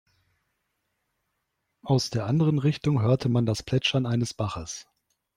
Aus der anderen Richtung hörte man das Plätschern eines Baches.